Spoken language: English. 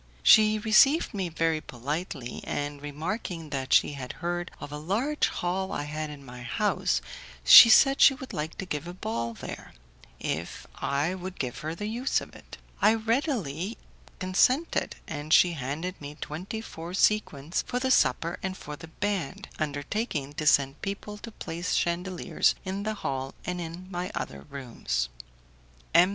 She received me very politely, and remarking that she had heard of a large hall I had in my house, she said she would like to give a ball there, if I would give her the use of it. I readily consented, and she handed me twenty four sequins for the supper and for the band, undertaking to send people to place chandeliers in the hall and in my other rooms. M.